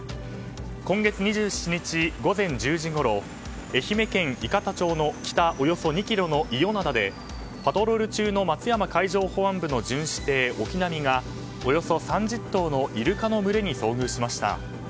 今月２７日午前１０時ごろ愛媛県伊方町の北およそ２ｋｍの伊予灘でパトロール中の松山海上保安部の巡視艇「おきなみ」がおよそ３０頭のイルカの群れに遭遇しました。